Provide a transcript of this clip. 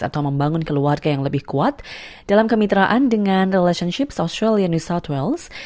atau membangun keluarga yang lebih kuat dalam kemitraan dengan relationships australia new south wales